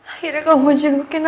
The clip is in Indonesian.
akhirnya kamu datang juga kesini